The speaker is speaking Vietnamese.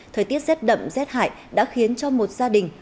thời tiết rét đậm rét hại đã khiến cho một gia đình